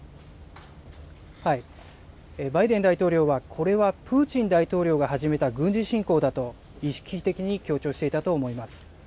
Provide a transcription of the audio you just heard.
バイデン大統領は、これはプーチン大統領が始めた軍事侵攻だと、意識的に強調していたと思います。